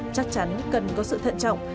chắc chắn cần có sự thận trọng